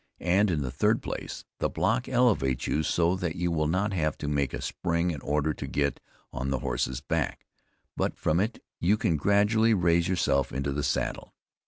And in the third place the block elevates you so that you will not have to make a spring in order to get on to the horse's back, but from it you can gradually raise yourself into the saddle.